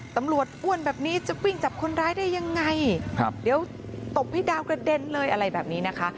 อ้วนแบบนี้จะวิ่งจับคนร้ายได้ยังไงครับเดี๋ยวตบให้ดาวกระเด็นเลยอะไรแบบนี้นะคะ